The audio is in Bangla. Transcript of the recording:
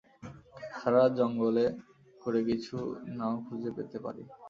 সারারাত জঙ্গলে ঘুরে কিছু নাও খুঁজে পেতে পারি।